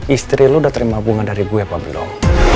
istri lu udah terima bunga dari gue apa belum